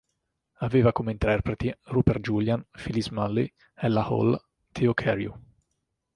Aveva come interpreti Rupert Julian, Phillips Smalley, Ella Hall, Theo Carew.